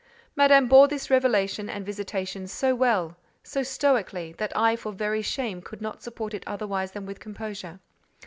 Madame bore this revelation and visitation so well, so stoically, that I for very shame could not support it otherwise than with composure.